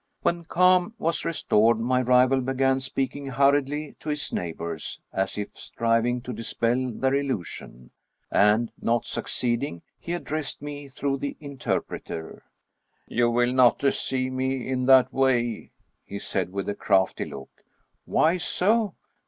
When calm was restored, ^my rival began speaking hur riedly to his neighbors, as if striving to dispel their illusion, and, not succeeding, he addressed me through the inter preter :" You will not deceive me in that way," ||e said, with a crafty look. "Why so?"